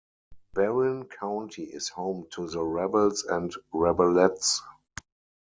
Berrien County is home to the Rebels and Rebelettes.